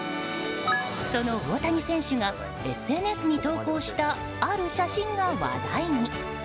その大谷選手がＳＮＳに投稿したある写真が話題に。